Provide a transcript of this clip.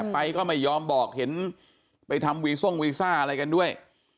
ไปก็ไม่ยอมบอกเห็นไปทำวีซ่องวีซ่าอะไรกันด้วย